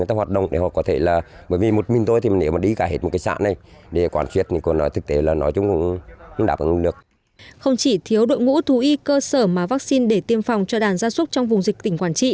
không chỉ thiếu đội ngũ thú y cơ sở mà vaccine để tiêm phòng cho đàn gia súc trong vùng dịch tỉnh quảng trị